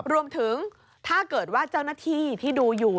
รวมถึงถ้าเกิดว่าเจ้าหน้าที่ที่ดูอยู่